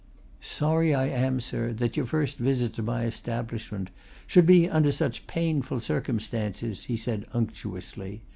"Sorry I am, sir, that your first visit to my establishment should be under such painful circumstances," he said unctuously.